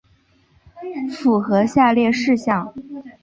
符合下列事项